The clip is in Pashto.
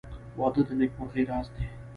• واده د نېکمرغۍ راز دی.